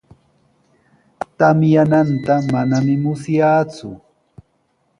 Tamyananta manami musyaaku.